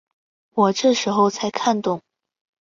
我这时候才看懂